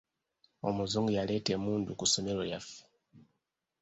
Omuzungu yaleeta emmundu ku ssomero lyaffe.